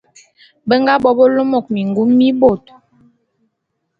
Be nga bo be lômôk mingum mi bôt.